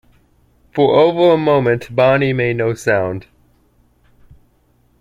For over a moment Bonnie made no sound.